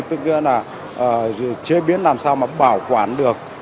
tức là chế biến làm sao mà bảo quản được